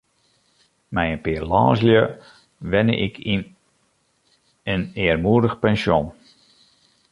Mei in pear lânslju wenne ik yn in earmoedich pensjon.